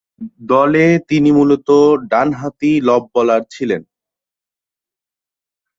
দলে তিনি মূলতঃ ডানহাতি লব বোলার ছিলেন।